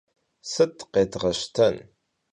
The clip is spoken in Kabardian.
Sıt khêdğeşten?